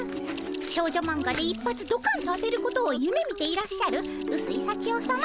少女マンガで一発どかんと当てることをゆめみていらっしゃるうすいさちよさま